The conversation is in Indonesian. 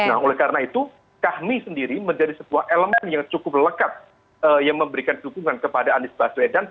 nah oleh karena itu kami sendiri menjadi sebuah elemen yang cukup lekat yang memberikan dukungan kepada anies baswedan